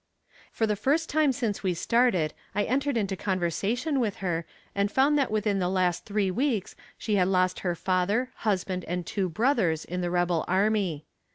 For the first time since we started I entered into conversation with her, and found that within the last three weeks she had lost her father, husband, and two brothers in the rebel army.